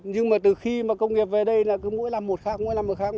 nhưng mà từ khi mà công nghiệp về đây là cứ mũi lằm một khác mũi lằm một khác